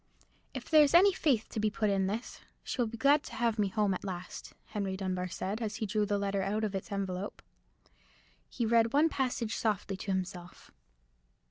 "If there's any faith to be put in this, she will be glad to have me home at last," Henry Dunbar said, as he drew the letter out of its envelope. He read one passage softly to himself.